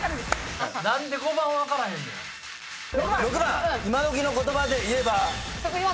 ６番今どきの言葉で言えば。